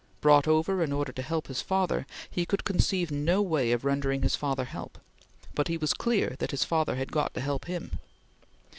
Brought over in order to help his father, he could conceive no way of rendering his father help, but he was clear that his father had got to help him.